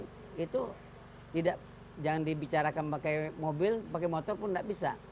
dan itu jangan dibicarakan pakai mobil pakai motor pun tidak bisa